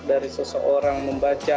dari seseorang membaca